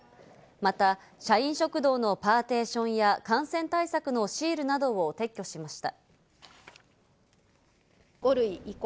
また社員食堂のパーテションや感染対策のシールなどを撤去しました。